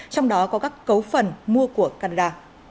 trong đó có các cấu phần mua của canada